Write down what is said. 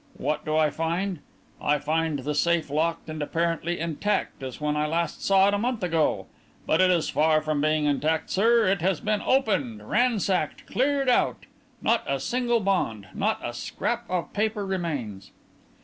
What do I find? I find the safe locked and apparently intact, as when I last saw it a month ago. But it is far from being intact, sir. It has been opened; ransacked, cleared out. Not a single bond; not a scrap of paper remains."